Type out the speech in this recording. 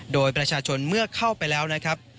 โดยประชาชนเมื่อเข้าไปแล้วนะครับ